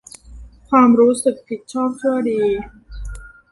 ความรู้สึกผิดชอบชั่วดี